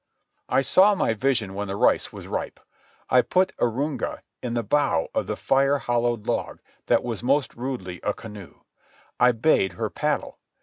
I saw my vision when the rice was ripe. I put Arunga in the bow of the fire hollowed log that was most rudely a canoe. I bade her paddle.